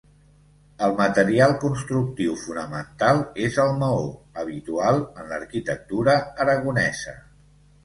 El material constructiu fonamental és el maó, habitual en l'arquitectura aragonesa.